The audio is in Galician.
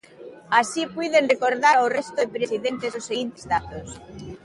Así puiden recordar ao resto de presidentes os seguintes datos.